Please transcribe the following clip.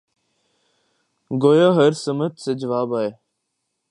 گویا ہر سمت سے جواب آئے